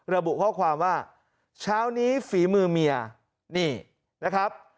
ระบุข้อความว่าเช้านี้ฝีมือเมียนี่นะครับ